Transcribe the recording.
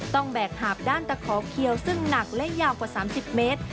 แบกหาบด้านตะขอเคียวซึ่งหนักและยาวกว่า๓๐เมตร